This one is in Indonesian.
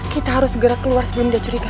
kita harus segera keluar sebelum dia curiga